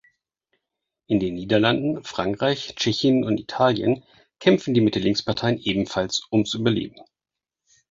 In den Niederlanden, Frankreich, Tschechien und Italien kämpfen die Mitte-links-Parteien ebenfalls ums Überleben.